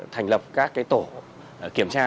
thành lập các tổ kiểm tra